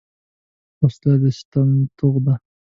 وسله د ستم توغ ده